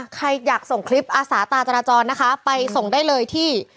ใครอยากส่งคลิปอาสาตาจราจรนะคะไปส่งได้เลยที่